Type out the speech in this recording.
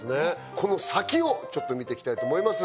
この先をちょっと見ていきたいと思います